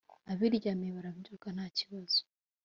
abiryamiye barabyuka ntakibazo